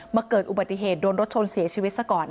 เกิดอุบัติเหตุโดนรถชนเสียชีวิตซะก่อน